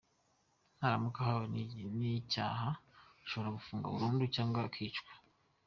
Naramuka ahamwe n’icyaha ashobora gufungwa burundu cyangwa akicwa.